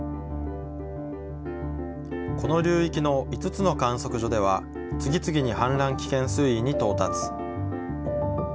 この流域の５つの観測所では次々に氾濫危険水位に到達。